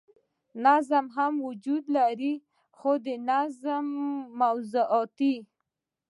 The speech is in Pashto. نظم هم وجود لري خو د نظم موضوعات ئې